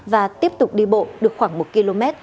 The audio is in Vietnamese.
và tiếp tục đi bộ được khoảng một km